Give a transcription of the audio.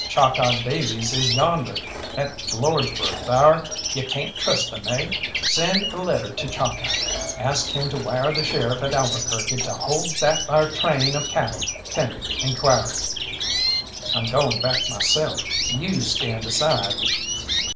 "Chalkeye Davies is yondeh at Lordsburgh thar you can trust him, eh? Send a letter to Chalkeye; ask him to wire the sheriff at Albuquerque to hold that thar train of cattle pending inquiries." "I'm going back myself. You stand aside!"